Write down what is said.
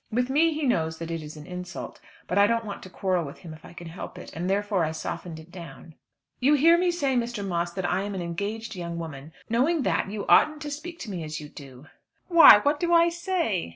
With me he knows that it is an insult; but I don't want to quarrel with him if I can help it, and therefore I softened it down. "You hear me say, Mr. Moss, that I'm an engaged young woman. Knowing that, you oughtn't to speak to me as you do." "Why, what do I say?"